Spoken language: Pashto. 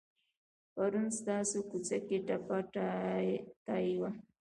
پرون ستاسو کوڅه کې ټپه ټایي وه.